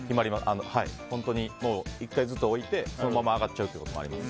本当に１回ずつ置いてそのまま上がっちゃうこともあります。